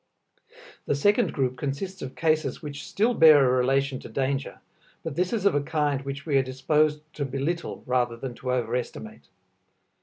The second group consists of cases which still bear a relation to danger, but this is of a kind which we are disposed to belittle rather than to overestimate.